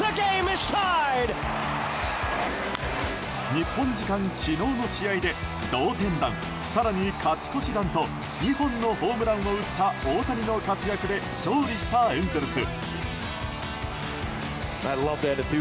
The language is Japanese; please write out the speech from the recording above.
日本時間の昨日の試合で同点弾更に勝ち越し弾と２本のホームランを打った大谷の活躍で勝利したエンゼルス。